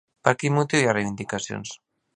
Per quin motiu hi ha reivindicacions?